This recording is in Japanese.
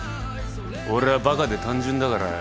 俺ぁバカで単純だからよ。